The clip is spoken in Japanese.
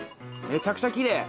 めちゃくちゃきれい。